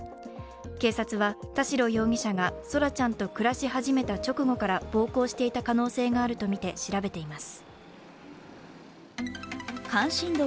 警察は田代容疑者が空来ちゃんと暮らし始めた直後から暴行していた可能性があるとみて調べています。